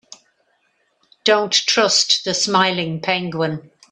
Don't trust the smiling penguin.